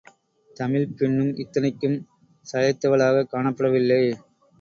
தமிழ்ப் பெண்ணும் இத்தனைக்கும் சளைத்தவளாகக் காணப்படவில்லை.